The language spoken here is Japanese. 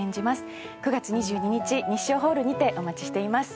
９月２２日ニッショーホールにてお待ちしています。